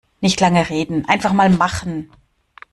Nicht lange reden, einfach mal machen!